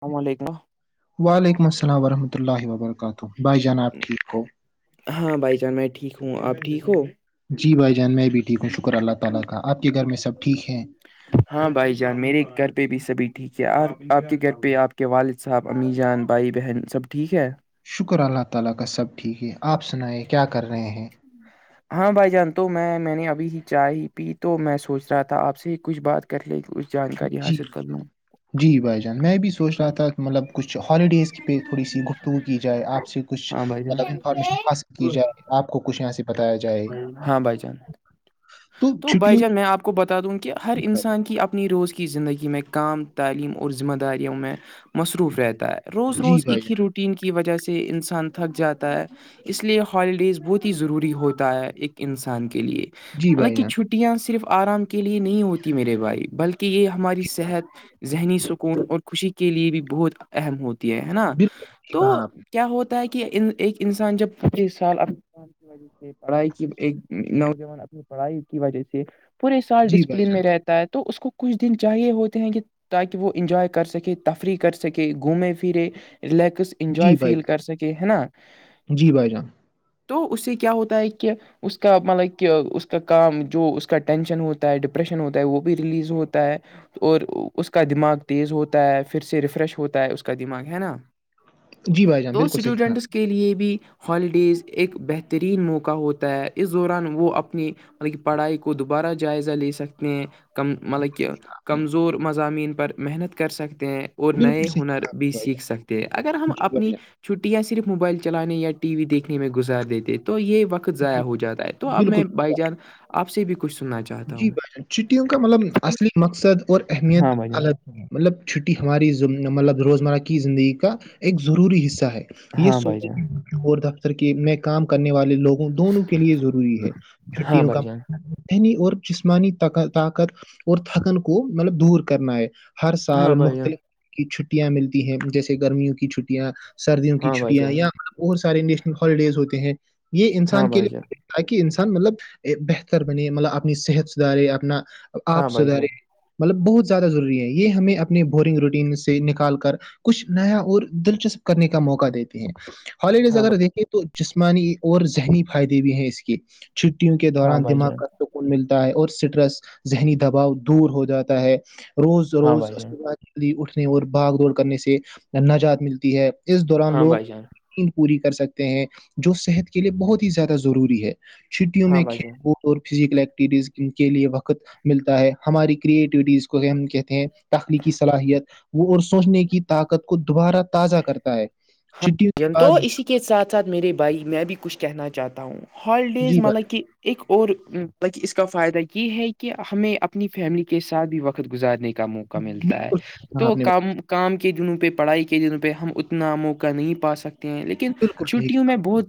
السلام علیکم وعلیکم السلام ورحمۃ اللہ وبرکاتہ بھائی جان آپ ٹھیک ہو ہاں بھائی جان میں ٹھیک ہوں آپ ٹھیک ہو جی بھائی جان میں ویڈیو شکر اللہ تعالی کا اپ کے گھر میں سب ٹھیک ہیں ہاں بھائی جان میرے گھر پہ بھی سبھی ٹھیک ہے اور آپ کے گھر پہ آپ کے والد صاحب امی جان بھائی بہن سب ٹھیک ہے [unintelligible] ہاں بھائی جان تو میں میں نے ابھی ہی چائے ہی پی تو میں سوچ رہا تھا آپ سے کچھ بات کر ل اس جان جی بھائی جان جی بھائی جان میں بھی سوچ رہا تھا مطلب کچھ ہالیڈیز کی پہ تھوڑی سی گفتگو کی جائے آپ سے کچھ ہاں بھائی مطلب انفارمیشن حاصل کی جان جائے آپ کو کچھ یہاں سے بتایا جائے بھائی جان تو بھائی جان میں آپ کو بتا دوں کہ ہر انسان کی اپ اپنی روز کی زندگی میں کام تعلیم اور ذمہ داریوں میں مصروف رہتا ہے روز جی روز بھائی ایک ہی جان روٹین کی وجہ سے انسان تھک جاتا ہے اس لیے ہالیڈیز بہت ہی ضروری ہوتا ہے ایک انسان کے لیے جی مطلب بھائی کہ جان چھٹی چھٹیاں صرف آرام کے لیے نہیں ہوتیں میرے بھائی بلکہ یہ ہماری جی صحت ذہنی سکون اور خوشی کے لیے بھی بہت اہم ہوتی ہے ہے نا بھائی جان بالکل صحیح تو کہا آپ نے کیا ہوتا ہے کہ ان ایک انسان جب پچیس سال اب جہ سے پڑھائی کی ایک نوجوان اپنی پڑھائی کی وجہ سے پورے سال جی بھائی ڈسپلین جان میں رہتے تو اس کو کچھ دن چاہیے ہوتے ہیں کہ تاکہ وہ انجوائے کر سکے تفریح کر سکے گھومے پھرے ریلیکس انجوائے جی بھائی فیل جان کر سکے ہے نا جی بھائی جان تو اس سے کیا ہوتا ہے کہ اس کا مطلب کہ کا کام جو اس کا ٹینشن ہوتا ہے ڈپریشن ہوتا ہے وہ بھی ریلیز ہوتا ہے اور اس کا دماغ تیز ہوتا ہے پھر سے ریفریش ہوتا ہے اس کا دماغ ہے نا جی بھائی جان تو بالکل صحیح کہا اسٹوڈنٹس آپ کے کے لیے بھی ہالیڈیز ایک بہترین موقع ہوتا ہے اس دوران وہ اپنی بہ پڑھائی کو دوبارہ جائزہ لے سکتے ہیں کم مطلب کہ نے کمزور مضامین پر محنت کر سکتے ہیں اور نئے بالکل صحیح ہنر کہا آپ بھی نے بھائی سیکھ سکتے ہیں اگر ہم جان جی بھائی اپنی چھٹیاں صرف موبائل چلانے یا ٹی وی دیکھنے میں گزار دیتے تو یہ وقت جان ضائع بل ہو جاتا ہے تو اب بالکل میں صحیح بائی کہا جانس آپ سے بھی کچھ سننا چاہوں جی ب چھٹیوں کا مطلب اصلی مقصد اور اہمیت ہاں بھائی جان الگ مطلب چھٹی ہماری مطلب روزمرہ کی زندگی کا ایک ضروری حصہ ہے یہ ہاں بھائی جان سکول مشہور دفتر کی میں کام کرنے والے لوگوں دونوں کے لیے ضروری ہے ہاں چھٹیوں کا بھائی جان مھنی اور جسمانی طاقت اور تھکن کو مطلب دور کرنا ہے ہر سال ہاں بھائی جان مختلف کی چھٹیاں ملتی ہیں جیسے گرمیوں کی چھٹیاں سردیوں کی ہاں بھائی چھٹیاں جان یا بہت سارے نیشنل ہالیڈیز ہوتے ہیں یہ ہاں انسان کے بھائی جان لیے تاکہ انسان مطلب بہتر بنے مطلب اپنی صحت سدھارے اپنا ہاں آپ بھائی جان سدھارے مطلب بہت زیادہ ضروری ہے یہ ہمیں اپنے بورنگ روٹین سے نکال کر کچھ نیا اور دلچسپ کرنے کا موقع دیتے ہیں ہال ہاں اگر دیکھیں تو جسمانی اور ذہنی فائدے بھی ہیں اس کے چھٹیوں کے ہاں دوران بھائی دماغ جان کا سکون ملتا ہے اور سٹرس ذہنی دباؤ دور ہو جاتا ہے روز ہاں روز بھائی جان صبحات اٹھنے اور باگ دوڑ کرنے سے نجات ملتی ہے اس دوران ہاں لوگ بھائی جان پوری کر سکتے ہیں جو صحت کے لیے بہت ہی زیادہ ضروری ہے چھٹیوں ہاں میں بھائی جان کھیل کود اور فزیکل ایکٹیویٹیز کے لئے وقت ملتا ہے ہماری کریٹیوٹیز کو ہم کہتے ہیں تخلیقی صلاحیت وہ اور سوچنے کی طاقت کو دوبارہ تازہ کرتا ہے چھٹیوں کے جنت بعد اسی کے ساتھ ساتھ میرے بھائی میں بھی کچھ کہنا چاہتا ہوں ہالیڈیز جی بات مطلب کہ ایک اور مطل کہ اس کا فائدہ یہ ہے کہ ہمیں اپنی فیملی کے ساتھ بھی وقت گزارنے کا موقع ملتا ہے بالکل صحیح کہا تو آپ نے بات کام کام کے دنوں پہ پڑھائی کے دنوں پہ ہم اتنا موقع نہیں پا سکتے ہیں لیکن بالکل صحیح چھٹیوں کہا میں بہت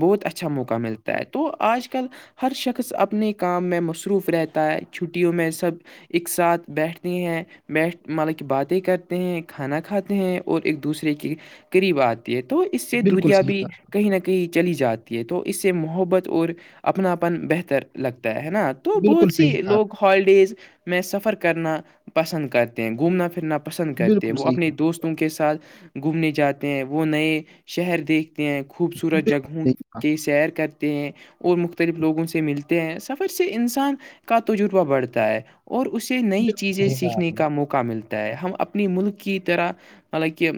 بہت اچھا موقع ملتا ہے تو آج کل ہر شخص اپنے کام میں مصروف رہتا ہے چھٹیوں میں سب ایک ساتھ بیٹھتی ہیں بیٹھ ملے کی باتیں کرتے ہیں کھانا کھاتے ہیں اور ایک دوسرے کے قریبات تو اس سے بالکل دوریا صحیح بھی کہا کہیں نہ کہیں چلی جاتی ہے تو اس سے محبت اور اپناپن بہتر لگتا ہے نا تو بالکل بہت سی صحیح کہا لوگ ہالیڈیز میں سفر کرنا پسند کرتے ہیں گھومنا پھرنا پسند کرتے ہیں بالکل وہ صحیح اپنے کہا دوستوں کے ساتھ گھومنے جاتے ہیں وہ نئے شہر دیکھ ہیں خوبصورت بالکل جگہوں صحیح کہا کی سیر کر اور مختلف لوگوں سے ملتے ہیں سفر سے انسان کا تجربہ بڑھتا ہے اور اسے نئی بالکل چیزیں صحیح کہا سیکھنے کا موقع موقع ملتا ہے ہم اپنی ملک کی طرح مطلب کہ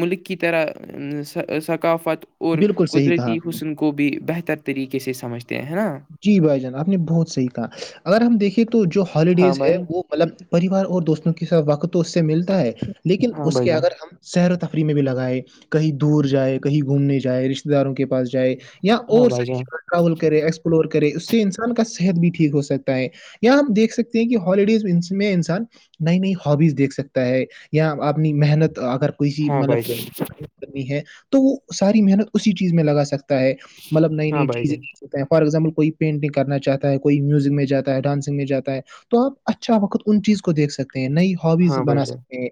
ملک کی طرح ثقافت اور بالکل صحیح کہا قدرتی آپ نے حسن کو بھی بہتر طریقے سے سمجھتے ہیں نا جی بھائی جان آپ نے بہت صحیح کہا اگر ہم دیکھیں تو جو ہاں ہالیڈیز ہے بھائی وہ مطلب پریوار اور دوستوں کے ساتھ وقت تو اس سے ملتا ہے لیکن ہاں اس بھائی کے جان اگر ہم سیر و تفریح میں بھی لگائے کہیں دور جائے کہیں گھومنے جائے رشتے داروں کے پاس جائے یا ہاں اور بھائی ساری جان جگہ ٹریول کرے ایکسپ فلور کرے اس سے انسان کا صحت بھی ٹھیک ہو سکتا ہے یہاں ہم دیکھ سکتے ہیں کہ ہالیڈیز میں انسان نئی نئی ہبیز دیکھ سکتا ہے یا اپنی محنت اگر کوئی سی ہاں مطلب بھائی جان کر ہے تو وہ ساری محنت اسی چیز میں لگا سکتا ہے مطلب نئی ہاں نئی بھائی جان چیزیںتا ہیں فار ایگزامپل کوئی پینٹنگ کرنا چاہتا ہے کوئی میوزک میں جات ہے ڈانسنگ میں جاتا ہے تو آپ اچھا وقت ان چیز کو دیکھ سکتے ہیں نئی ہو ہبیز ہاں بھائی بنا جان سکتے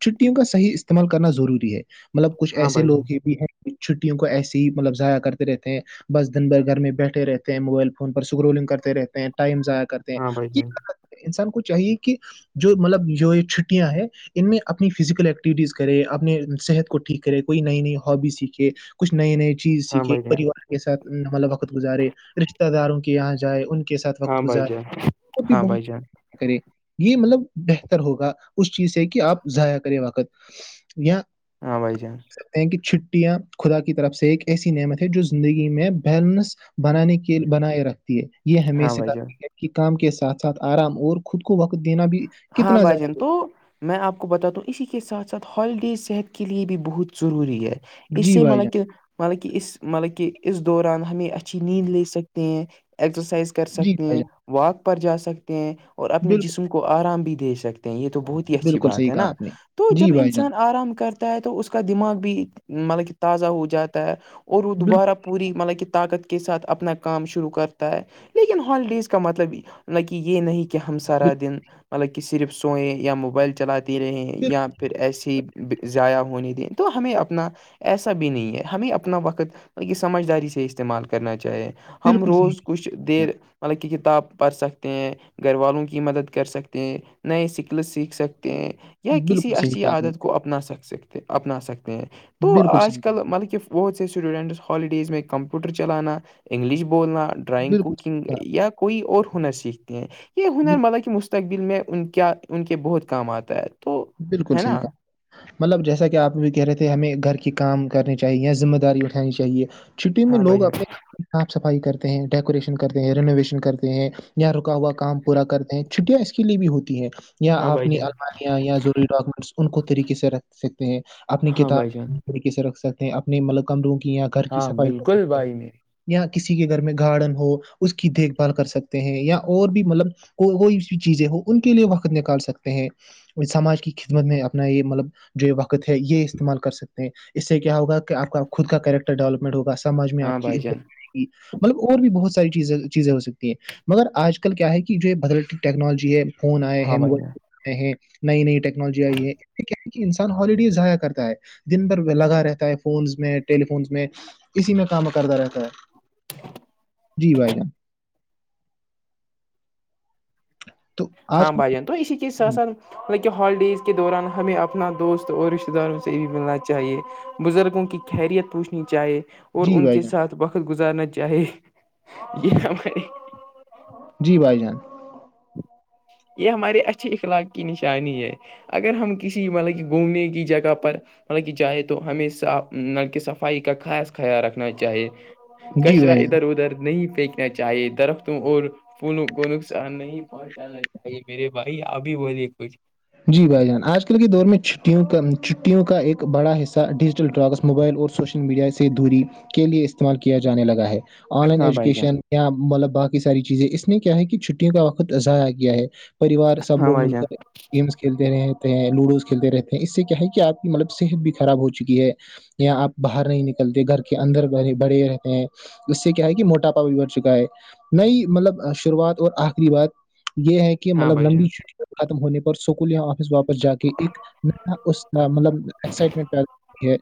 چھٹیوں کا صحیح استعمال کرنا ضروری ہے مطلب کچھ ہاں ایسے بھائی لوگ ہی بھی ہیں چھٹیوں کو ایسے ہی مطلب ضائع کرتے رہتے ہیں بس دن بھر گھر میں بیٹھ رہتے ہیں موبائل فون پر سکرولنگ کرتے رہتے ہیں ٹائم ضع کرتے ہیں جان انسان کو چاہیے کہ جو مطلب جو یہ چھٹیاں ہیں ان میں اپنی فزیکل ایکٹیوٹیز کرے اپنے صحت کو ٹھیک کرے کوئی نئی نئی ہابی سیکھے کچھ نئی نئی چیز ہاں سیکھے بھائی جان پریوار کے ساتھ مطلب وقت گزارے رشتے داروں کے یہاں جائے ان کے ساتھ ہاں وقت بھائی گزار جان ہاں بھائی جان اور بھی ہاں بھائی جان بہت کرے یہ مطلب بہتر ہوگا اس چیز سے کہ آپ ضائع کرے وقت یا [unintelligible] [inaudible] ہاں بھائی جان ہیں کہ چھٹیاں خدا کی طرف سے ایک ایسی نعمت ہے جو زندگی میں بیلنس بنانے کے بنائے رکھتی ہے یہ ہاں ہمیشہ بھائی جان کرتی ہے کہ کام کے ساتھ ساتھ آرام اور خود کو وقت دینا بھی ہاں کتنا بھائی جان زیادہ ر تو میں آپ کو بتاتا ہوں اسی کے ساتھ ساتھ ہالیڈیز صحت کے لیے بھی بہت ضروری ہے ضروری اس جی سے بھائی جان مطلب کہ مطلب کہ اس مطلب کہ اس دوران ہمیں اچھی نیند لے سکتے ہیں ایکسرسائز کر جی سکتے بھائی ہیں جان واک پر جا سکتے ہیں اور اپنے بالکل جسم کو آرام بھی دے سکتے ہیں یہ تو بہت ہی اچھی بالکل بات صحیح ہے کہا نا آپ نے تو جب جی بھائی جان انسان آرام کرتے ہے تو اس کا دماغ بھی مطلب کہ تازہ ہو جاتا ہے اور وہ بالکل دوبارہ پوری مطلب کہ طاقت کے ساتھ اپنا کام شروع کرتا ہے لیکن ہالیڈیز کا مطلب کہ یہ نہیں کہ کہ ہم سارا دن مطلب کہ صرف سوئیں یا موبائل چلاتے رہے بالکل یا پھر ایسے ہی ضائع ہونے دیں تو ہمیں اپنا ایسا بھی نہیں ہے ہمیں اپنا وقت یہ سمجھداری سے استعمال کرنا چاہیے ہم بالکل صحیح روز کہا آپ کچھ نے۔ دیر مطلب کہ کتاب پڑھ سکتے ہیں گھر والوں کی مدد کر سکتے ہیں نئے سکل سیکھ سکتے ہیں یا بالکل کسی صحیح اچھی کہا آپ نے عادت کو اپنے نا سک سکتے اپنا سکتے ہیں تو بالکل آج صحیح کہا آپ کل نے مطلب کہ بہت سے اسٹوڈینٹس ہالیڈیز میں کمپیوٹر چلانا انگلش بولنا ڈرائنگ بالکل کو صحیح کہا آپ نے، یا کوئی اور ہنر سیکھتے ہیں یہ ہنر بال- مطلب کہ مسلم مستقبل میں ان کیا ان کے بہت کام آتا ہے تو بالکل ہے صحیح نا مطلب جیسا کہ آپ بھی کہہ رہے تھے ہمیں گھر کی کام کرنی چاہیے یا ذمہ داری اٹھانی چاہیے چھٹی میں ہاں بھائی لوگ جان اپنے گھر صاف صفائی کرتے ہیں ڈیکوریشن کرتے ہیں رینوویشن کرتے ہیں ی رکا ہوا کام پورا کرتے چھٹیاں اس کے لیے بھی ہوتی ہے یا ہاں بھائی آپنی جان الماریاں یا ڈاکومنٹس ان کو طریقے سے رکھ سکتے ہیں اپنی ہاں بھائی جان کتاب طریقے رکھ سکتے ہیں اپنے مل کمروں کی یا گھر کی ہاں صفائی کر بالکل سکتے ہیں بھائی میرے یا کسی کے گھر میں گارڈن ہو اس کی دیکھ بھال کر سکتے ہیں یا اور بھی مطلب کو کوئی بھی چیزیں ہو ان کے لیے وقت نکال سکتے ہیں سماج کی خدمت میں اپنا یہ مطلب جو وقت ہے یہ استعمال کر سکتے ہیں اس سے کیا ہوگ کہ آپ کا خود کا کیریکٹر ڈیولپمنٹ ہوگا سماج میں ہاں آپ کی بھائی عت جان مطلب اور بھی بہت ساری چیزیں چیزیں ہو سکتی ہیں مگر آج کل کیا ہے کہ جو بدلتی ٹیکنالوجی ہے فون آئے ہیں ہاں بھائی جان موبائل ف آئے ہیں نئی نئی ٹیکنالوجی آئی ہے انسان ہالیڈی ضائع کرتا ہے دن بھر لگا رہتا ہے فونس میں ٹیلیفونس میں اسی میں کام کرتا رہتا ہے جی بھائی جان تو ہاں آج بائیان تو اسی چیز سے کا- سر مطکہ ہالیڈیز کے دوران ہمیں اپنا دوست اور رشتتے داروں سے بھی ملنا چاہیے بزرگوں کی خیریت پوچھنی چاہے اور جی ان بھائی کے جان ساتھ وقت گزارنا چاہے یہ ہمارے جی بھائی جان یہ ہمارے اچھے اخلاق کی نشانی ہے اگر ہم کسی مطلب کہ گھومنے کی جگہ پر مطلب کہ چاہے تو ہمیشہ نلک صفائی کا خاص خیال رکھنا چاہیے جی کچرا بھائی جان ادھر ادھر نہیں پیک چاہیے درخت اور فولوں کو نقصان نہیں پہنچانا بائی میرے بھائی ابھی وہلیے کچھ جی بھائی جان آج کل کے دور میں چھٹیوں کا چھٹیوں کا ایک بڑا حصہ ڈیجیٹل ڈراگس موبائل اور سوشل میڈیا سے دوری کے لئے استعمال کیا جانے لگا ہے آن لائن ہاں بھائی جان ایجوکیشن یا مطلب باقی ساری چیزیں اس نے کیا ہے کہ چھٹیوں کا وقت اضاع کیا ہے پریوار سب ہاں لوگ بھائی مل جان کر گیمس کھیلتے رہتے ہیں لوڈوز کھیلتے رہتے ہیں اس سے کیا ہے کہ آپ کی مطلب صحت بھی خراب ہو چکی ہے یااں آپ باہر نہیں نکلتے گھر کے اندرے بڑے رہتے ہیں اس سے کیا ہے کہ موٹاپا بھی بڑھ چکا ہے نئی مطلب شروعات اور آخری بات یہ ہے کہ ہاں مطلب بھائی لمبی جان چھٹی ختم ہونے پہ سکول یا آفس واپس جا کے ایک اس مطلب ایکسائٹمنٹ پ ہے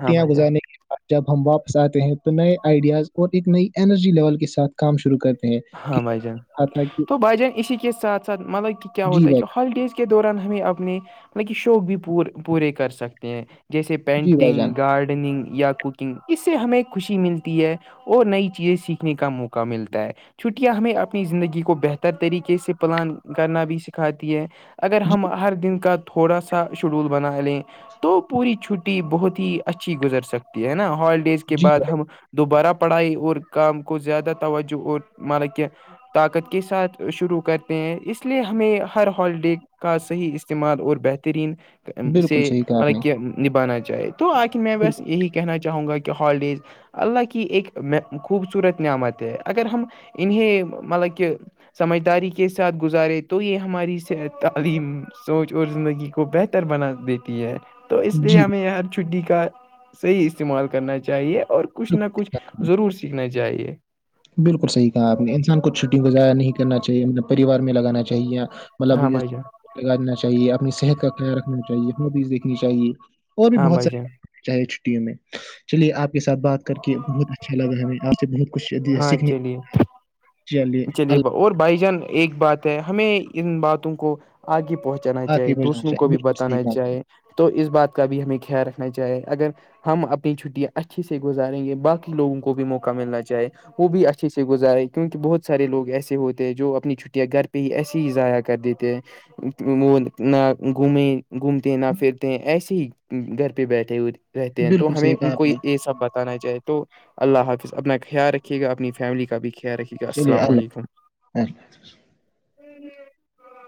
ہاں بھائی جان گزارنے کےع جب ہم واپس آتے ہیں تو نئے آئیڈیاز اور ایک نئی انرجی لیول کے ساتھ کام شروع کرتے ہیں کہ ہاں بھائی جان کہا تھا کہ تو بھ جان اسی کے ساتھ ساتھ مطلب کہ کیا جی ہوتا ہے بھائی کہ ہالیڈیز کے دوران ہمیں اپنے مطلب شوق بھی پور پورے کر سکتے ہیں جیسے جان، جی بھائی جان پینٹنگ گارڈننگ یاک اس سے ہمیں خوشی ملتی ہے اور نئی چیزیں سیکھنے کا موقع ملتا ہے چھٹیاں ہمیں اپنی زندگی کو بہتر طریقے سے پلان کرنا بھی سکھاتی ہے اگر جی ہم ہر دن کا تھوڑا سا شیڈول بنا لیں تو پوری چھٹی بہت ہی اچھی گزر سکتی ہے نا ہالڈ ڈیز کے جی بعد بھائی ہم دوبارہ پڑھائی اور کام کو زیادہ توجہ اور مانا کہ طاقت کے ساتھ شروع کرتے ہیں اس لیے ہمیں ہر ہالیڈے کا صحیح استعمال اور بہترین سے بالکل صحیح کہا آپ نے مطلب کہ نبھانا چاہے تو آخر میں بس بالکل یہی کہنا چاہوں گا کہ ہالیڈیز اللہ کی ایک خوبصورت نعمت ہے اگر ہم انہیں مطلب کہ سمجھداری کے ساتھ گزارے تو یہ ہماری تعلیم سوچ اور زندگی کو بہتر بنا دیتی ہے تو اس لیے جی ہمیں ہر چھٹی کا صحیح استعمال کرنا چاہیے اور کچھ نہ بالکل کچھ صحیح کہا آپ نے ضرور سیکھنا چاہیے بالکل صحیح کہاپ نے انسان کو چھٹی کو ایا نہیں کر چاہیے مطلب پریوار میں لگانا چاہیے مطلب ہاں بھائی جان لگا دا چاہیے اپنی صحت کا خیال رکھنا چاہیے خدیز دیکھنی چاہیے اور بھی ہاں بہت بھائی سار جان چاہے چھٹیوں میں چلیے آپ کے سات بات کر کے بہت اچھا لگا ہمیں آپ سے بہت خوش ہاں چلیے جیلیے چلیے اللہ اور بھائی جان ایک بات ہے ہمیں ان باتوں کو آگے پہنچ جانا آ چاہے کے بجانا دوسروں کو چاہیے بھی بالکل صحیح بتانا کہا آپ چاہے تو اس بات کا بھی ہمیں خیال رکھنا چاہے اگر ہم اپنی چھٹیاں اچھیے سے گزاریں گے باقی لوگوں کو بھی موقع ملنا چاہے وہ بھی اچھے سے گزارے کیونکہ بہت سارے لگ ایسے ہوتے ہیں جو اپنی چھٹیاں گھر پہ ہی ایسے ہی ضائع کر دیتے ہیں وہ نہ گھومیں گھومتے ہیں نہ پھرتے ایسے ہی گھر پہ بیٹھے ہوئے رہتے نے ہیں بالکل تو ہمیں صحیح ان کہا کو آپ نے یہ سب بتانا چاہی تو اللہ حافظ اپنا خیال رکھیے گا اپنی فیملی کا بھی خیال رکے گا چی السلام اللہ علیکم